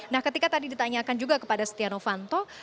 nah ketika tadi ditanyakan juga kepada stiano fanto